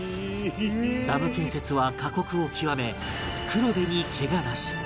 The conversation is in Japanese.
ダム建設は過酷を極め「黒部にケガなし」